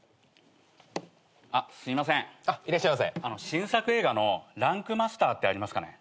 新作映画の『ランクマスター』ってありますかね？